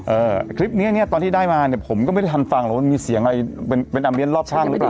คลิปเนี้ยเนี้ยตอนที่ได้มาเนี้ยผมก็ไม่ได้ทันฟังหรอกว่ามีเสียงอะไรเป็นเป็นอาเมียนรอบข้างหรือเปล่า